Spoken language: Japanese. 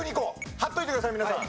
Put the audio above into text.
張っといてください皆さん。